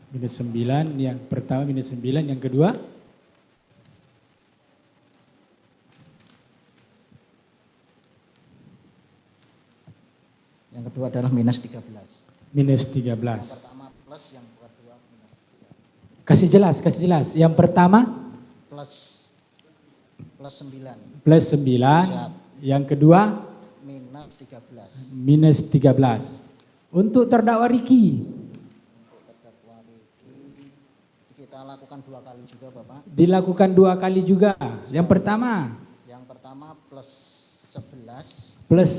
minus tiga belas untuk terdakwa ricky dilakukan dua kali juga yang pertama yang pertama plus sebelas